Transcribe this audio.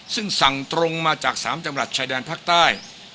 ซึ่งสั่งตรงมาจาก๓จังหวัดชายแดนภาคใต้